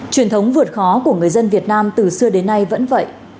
truyền thống vượt khó của người dân việt nam từ xưa đến nay vẫn vậy